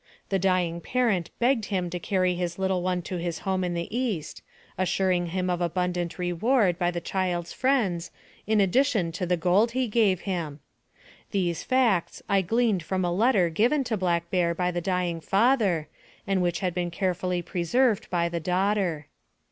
The dying parent begged him to carry his little one to his home in the East, assuring him of abund ant reward by the child's friends, in addition to the gold he gave him. These facts I gleaned from a letter given to Black Bear by the dying father, and which had been carefully preserved by the daughter.